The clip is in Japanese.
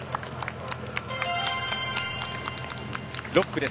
６区です。